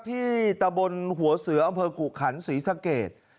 ที่ตะบนหัวเสืออำเภอกุขันศรีสะเกด